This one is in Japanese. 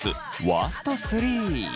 ワースト３。